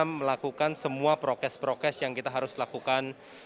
kita melakukan semua prokes prokes yang kita harus lakukan